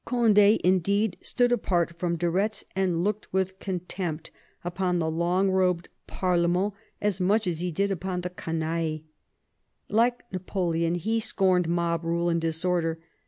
Cond^ indeed stood apart from de Retz and looked with contempt upon the "long robed" parlement as much as he did upon the ccmaille. Like Napoleon he scorned mob rule and disorder.